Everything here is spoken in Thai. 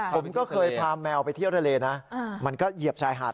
ผมก็เคยพาแมวไปเที่ยวทะเลนะมันก็เหยียบชายหาด